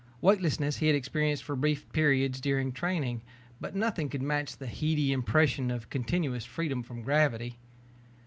Weightlessness he had experienced for brief periods during training, but nothing could match the heady impression of continuous freedom from gravity.